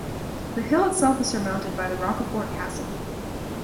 The hill itself is surmounted by the Rocafort castle.